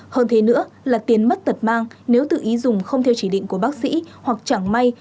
hơn thế nữa là tiền mất tật mang nếu tự ý dùng không theo chỉ định của bác sĩ hoặc chẳng may